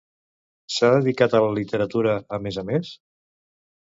S'ha dedicat a la literatura, a més a més?